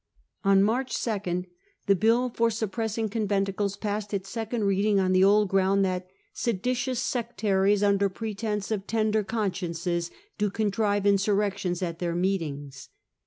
On March 2 the bill for suppressing conventicles passed its second reading on the old ground that 'sedi The second tious sectaries, under pretence of tender con ConMeniide sciences, do contrive insurrections at their Bill, March ' 1670. meetings.